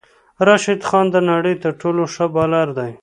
راشد خان د نړی تر ټولو ښه بالر دی